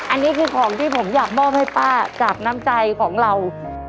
อันนี้คือของที่ผมอยากมอบให้ป้าจากน้ำใจของเรา